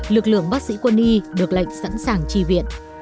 lực lượng bác sĩ quân y được lệnh sẵn sàng tri viện